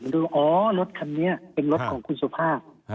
ดูอ๋อรถคันนี้เป็นรถของคุณสุภาพ